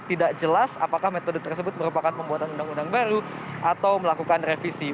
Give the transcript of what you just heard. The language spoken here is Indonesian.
tidak jelas apakah metode tersebut merupakan pembuatan undang undang baru atau melakukan revisi